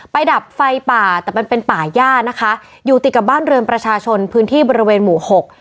ดับไฟป่าแต่มันเป็นป่าย่านะคะอยู่ติดกับบ้านเรือนประชาชนพื้นที่บริเวณหมู่หก